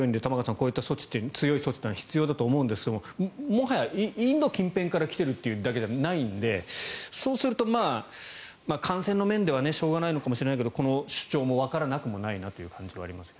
こういった強い措置は必要だとは思うんですがもはやインド近辺だけから来ているわけではないのでそうすると、感染の面ではしょうがないのかもしれないけどこの主張もわからなくもないなと思いますが。